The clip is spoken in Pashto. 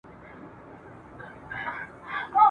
نه تر څنډی د کوهي سوای ورختلای !.